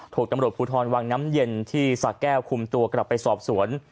ถูกตำรวจภูทรวังน้ำเย็นที่สะแก้วคุมตัวกลับไปสอบสวน